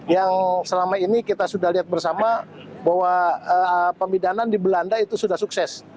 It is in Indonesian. yang selama ini kita sudah lihat bersama bahwa pemidanan di belanda itu sudah sukses